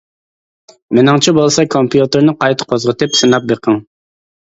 مېنىڭچە بولسا كومپيۇتېرنى قايتا قوزغىتىپ سىناپ بېقىڭ.